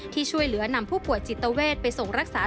ที่ช่วยเหลือนำผู้ป่วยจิตเวทไปส่งรักษา